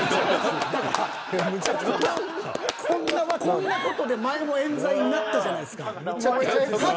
こんな事で前も冤罪になったじゃないっすか。